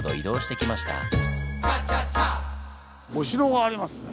お城がありますね。